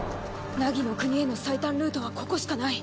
凪の国への最短ルートはここしかない。